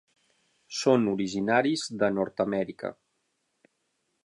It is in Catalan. Són originaris de Nord-amèrica.